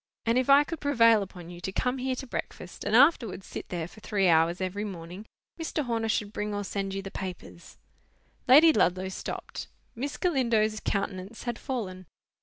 and if I could prevail upon you to come here to breakfast and afterwards sit there for three hours every morning, Mr. Horner should bring or send you the papers—" Lady Ludlow stopped. Miss Galindo's countenance had fallen.